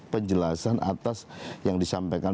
penjelasan atas yang disampaikan